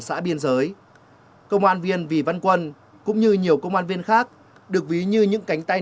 xã biên giới công an viên vy văn quân cũng như nhiều công an viên khác được ví như những cánh tay